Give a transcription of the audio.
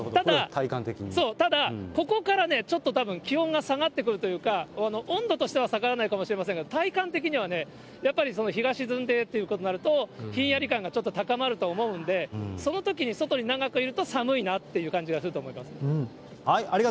ただ、ここからね、ちょっとたぶん気温が下がってくるというか、温度としては下がらないかもしれませんが、体感的にはね、やっぱり日が沈んでということになると、ひんやり感がちょっと高まると思うんで、そのときに外に長くいると寒いなあ感じがすると思います。